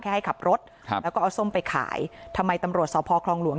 ให้ขับรถครับแล้วก็เอาส้มไปขายทำไมตำรวจสพคลองหลวง